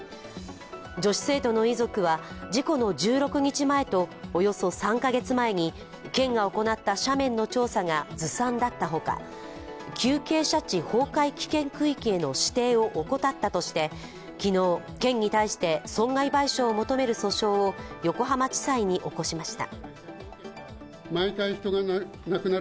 女子生徒の遺族は事故の１６日前とおよそ３か月前に県が行った斜面の調査がずさんだったほか、急傾斜地崩壊危険区域への指定を怠ったとして昨日、県に対して損害賠償を求める訴訟を横浜地裁に起こしました。